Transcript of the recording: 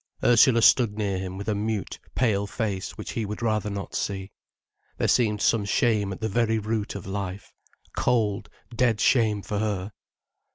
Ursula stood near him with a mute, pale face which he would rather not see. There seemed some shame at the very root of life, cold, dead shame for her.